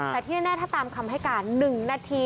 แต่ที่แน่ถ้าตามคำให้การ๑นาที